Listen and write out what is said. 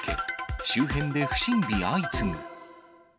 周辺で不審火相次ぐ。